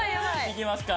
いきますか。